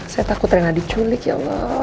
saya takut rena diculik ya allah